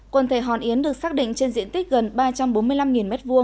quần thể hòn yến được xác định trên diện tích gần ba trăm bốn mươi năm m hai